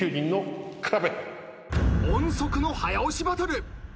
音速の早押しバトル。